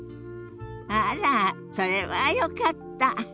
あらそれはよかった。